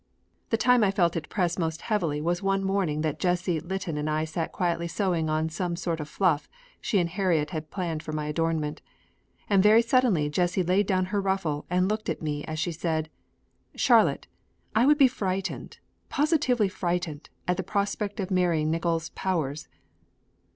The time I felt it press most heavily was one morning that Jessie Litton and I sat quietly sewing on some sort of fluff she and Harriet had planned for my adornment, and very suddenly Jessie laid down her ruffle and looked at me as she said: "Charlotte, I would be frightened, positively frightened, at the prospect of marrying Nickols Powers."